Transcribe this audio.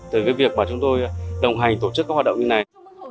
từ việc chúng tôi đồng hành tổ chức các hoạt động như này